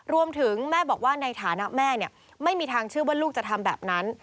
แม่บอกว่าในฐานะแม่ไม่มีทางเชื่อว่าลูกจะทำแบบนั้น